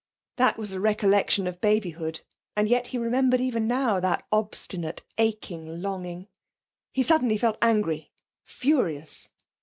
That was a recollection of babyhood, and yet he remembered even now that obstinate, aching longing.... He suddenly felt angry, furious.